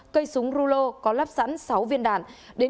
cây súng rulo có lắp sẵn sáu viên đạn